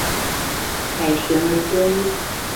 凱旋而歸